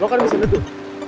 kamu kan bisa duduk